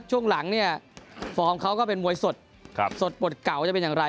ช่วงหลังเนี่ยฟอร์มเขาก็เป็นมวยสดสดบทเก่าจะเป็นอย่างไร